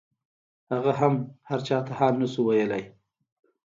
هغه هم هرچا ته حال نسو ويلاى.